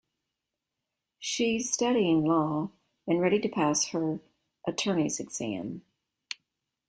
She's studying law and ready to pass her attorney's exam.